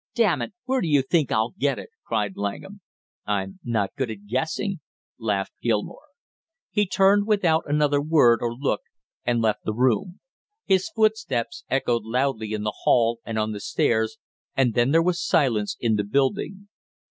"Damn you, where do you think I'll get it?" cried Langham. "I'm not good at guessing," laughed Gilmore. He turned without another word or look and left the room. His footsteps echoed loudly in the hall and on the stairs, and then there was silence in the building.